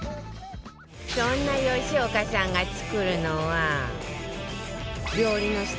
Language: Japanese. そんな吉岡さんが作るのは